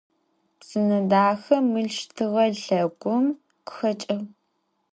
Псынэдахэ мыл щтыгъэ лъэгум къыхэкӏыгъ.